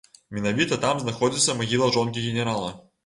Менавіта там знаходзіцца магіла жонкі генерала.